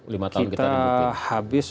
lima tahun kita ributin